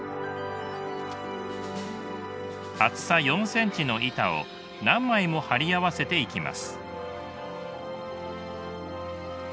厚さ４ｃｍの板を何枚も貼り合わせていきます。